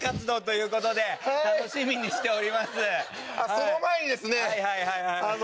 その前にですねあの。